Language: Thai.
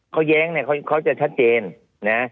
เขาแย้งเนี่ยเขาจะชัดเจนนะ